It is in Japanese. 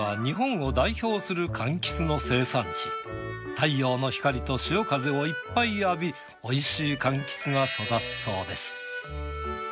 太陽の光と潮風をいっぱい浴び美味しいかんきつが育つそうです。